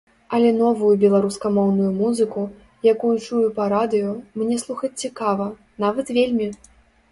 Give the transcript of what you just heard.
Але новую беларускамоўную музыку, якую чую па радыё, мне слухаць цікава, нават вельмі.